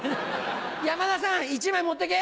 山田さん１枚持ってけ！